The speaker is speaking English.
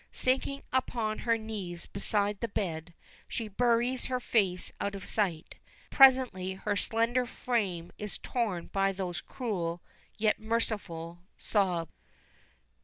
Sinking upon her knees beside the bed, she buries her face out of sight. Presently her slender frame is torn by those cruel, yet merciful sobs!